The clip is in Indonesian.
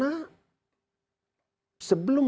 jadi kita harus menjaga kekuatan